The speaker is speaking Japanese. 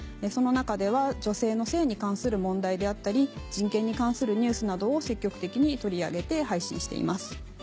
その中では女性の性に関する問題であったり人権に関するニュースなどを積極的に取り上げて配信しています。